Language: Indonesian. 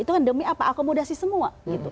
itu kan demi apa akomodasi semua